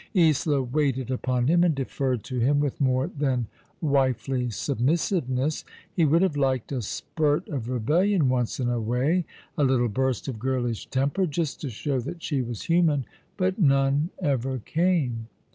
Isola waited upon him and deferred to him with more than wifely submissiveness. He would have liked a spurt of rebellion once in a way, a little burst of girlish temper, just to show that she was human; but none ever came.